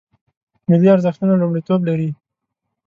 ملي ارزښتونه لومړیتوب لري